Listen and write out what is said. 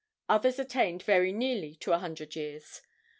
Others attained very nearly to the hundred years.